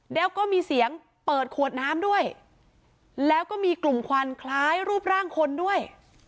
แล้วก็มีเสียงเปิดขวดน้ำด้วยแล้วก็มีกลุ่มควันคล้ายรูปร่างคนด้วย